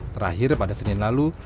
terakhir pada senin lalu